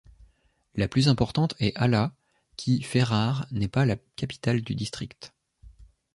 La plus importante est Hala, qui fait rare n'est pas la capitale du district.